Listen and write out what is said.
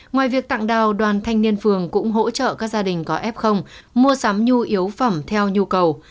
ngoài việc tặng đào đoàn thanh niên phường cũng hỗ trợ các gia đình có f mua sắm nhu yếu phẩm theo nhu cầu